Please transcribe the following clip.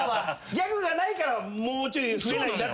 ギャグがないからもうちょい増えないんだと。